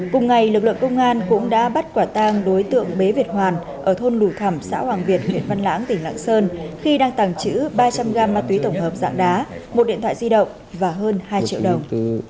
cùng ngày lực lượng công an cũng đã bắt quả tang đối tượng bế việt hoàn ở thôn lủ thẳm xã hoàng việt huyện văn lãng tỉnh lạng sơn khi đang tàng trữ ba trăm linh g ma túy tổng hợp dạng đá một điện thoại di động và hơn hai triệu đồng